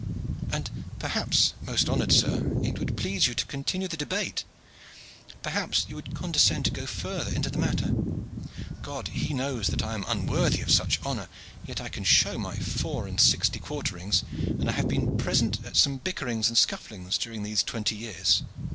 "And perhaps, most honored sir, it would please you to continue the debate. Perhaps you would condescend to go farther into the matter. God He knows that I am unworthy of such honor, yet I can show my four and sixty quarterings, and I have been present at some bickerings and scufflings during these twenty years."